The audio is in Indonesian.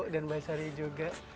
dan mbak sari juga